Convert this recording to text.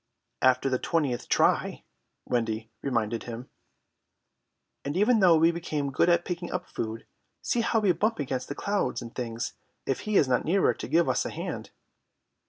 "After the twentieth try," Wendy reminded him. "And even though we became good at picking up food, see how we bump against clouds and things if he is not near to give us a hand."